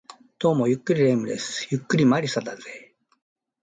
どうも、ゆっくり霊夢です。ゆっくり魔理沙だぜ